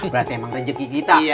berarti emang rejeki kita